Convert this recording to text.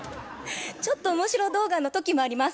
ちょっとおもしろ動画の時もあります